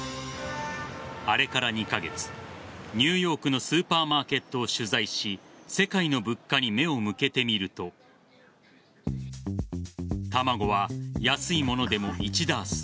あれから２カ月ニューヨークのスーパーマーケットを取材し世界の物価に目を向けてみると卵は安いものでも１ダース